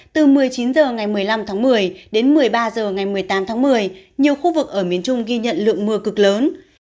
từ một mươi chín h ngày một mươi năm tháng một mươi đến một mươi ba h ngày một mươi tám tháng một mươi nhiều khu vực ở miền trung ghi nhận lượng mưa cực lớn